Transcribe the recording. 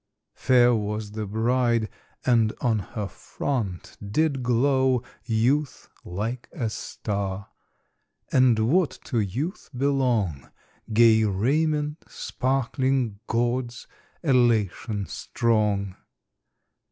Fair was the bride, and on her front did glow Youth like a star; and what to youth belong, Gay raiment sparkling gauds, elation strong.